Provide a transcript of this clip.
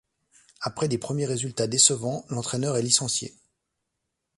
Après des premiers résultats décevants, l'entraîneur est licencié.